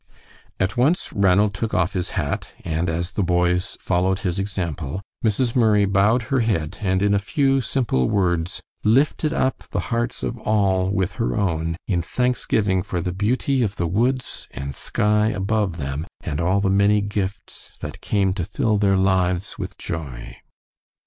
At once Ranald took off his hat, and as the boys followed his example, Mrs. Murray bowed her head and in a few, simple words lifted up the hearts of all with her own in thanksgiving for the beauty of the woods and sky above them, and all the many gifts that came to fill their lives with joy.